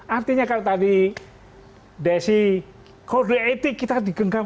artinya kalau tadi desi kode etik kita digenggam